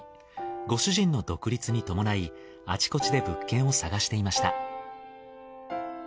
ご主人の独立に伴いあちこちで物件を探していました。